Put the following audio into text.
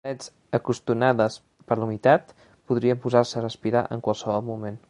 Les parets, escrostonades per la humitat, podrien posar-se a respirar en qualsevol moment.